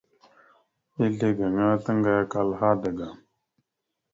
Ezle gaŋa taŋgayakal hadaga.